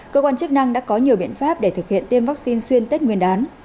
cơ quan chức năng đã có nhiều biện pháp để thực hiện tiêm vắc xin xuyên tết nguyên đán